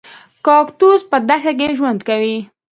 کاکتوس په دښته کې ژوند کوي